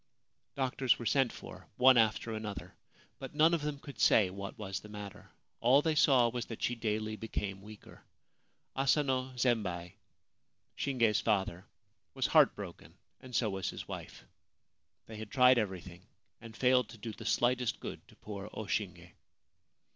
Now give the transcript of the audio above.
Doctors were sent for, one after another ; but none of them could say what was the matter. All they saw was that she daily became weaker. Asano Zembei, Shinge's father, was heartbroken, and so was his wife. They had tried everything and failed to do the slightest good to poor O Shinge.